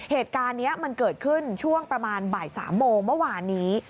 เหตุการณ์นี้มันเกิดขึ้นช่วงประมาณบ่าย๓โมงเมื่อวานนี้